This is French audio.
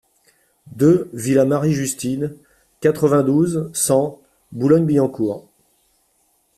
deux villa Marie-Justine, quatre-vingt-douze, cent, Boulogne-Billancourt